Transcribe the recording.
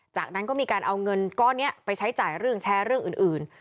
จากนั้นก็มีการเอาเงินก้อนนี้ไปใช้จ่ายเรื่องแชร์เรื่องอื่น